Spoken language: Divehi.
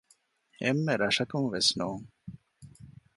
އެންމެ ރަށަކުން ވެސް ނޫން